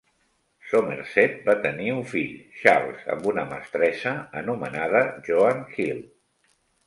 Somerset va tenir un fill, Charles, amb una mestressa anomenada Joan Hill.